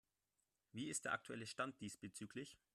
Wie ist der aktuelle Stand diesbezüglich?